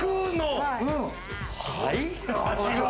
はい？